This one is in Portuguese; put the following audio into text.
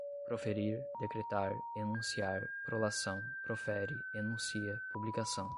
proferir, decretar, enunciar, prolação, profere, enuncia, publicação